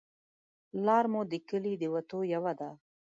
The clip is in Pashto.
لار مو د کلي د وتو یوه ده